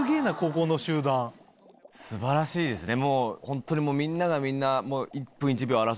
素晴らしいですね。